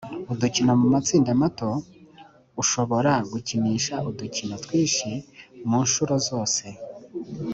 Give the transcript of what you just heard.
udukino mu matsinda mato ushobora gukinisha udukino twinshi mu ncuro zose